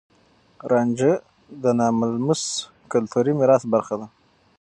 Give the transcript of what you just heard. رانجه د ناملموس کلتوري ميراث برخه ده.